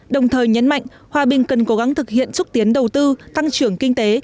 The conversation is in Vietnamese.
đồng thời nhấn mạnh hòa bình cần cố gắng thực hiện xúc tiến đầu tư tăng trưởng kinh tế